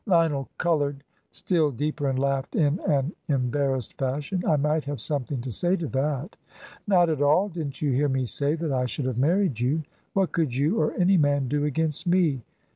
Lionel coloured still deeper and laughed in an embarrassed fashion. "I might have something to say to that." "Not at all. Didn't you hear me say that I should have married you. What could you or any man do against me?"